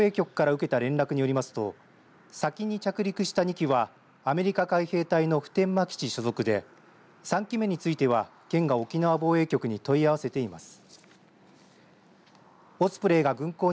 県が沖縄防衛局から受けた連絡によりますと先に着陸した２機はアメリカ海兵隊の普天間基地所属で３機目については県が沖縄防衛局に問い合わせています。